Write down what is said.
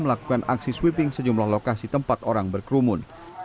melakukan aksi sweeping sejumlah lokasi tempat orang berkerumun